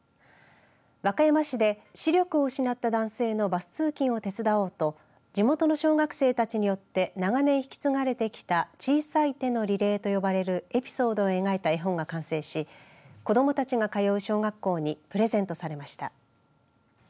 和歌山市で視力を失った男性のバス通勤を手伝おうと地元の小学生たちによって長年、引き継がれてきた小さい手のリレーと呼ばれるエピソードを描いた絵本が完成し子どもたちが通う小学校にプレゼントされました。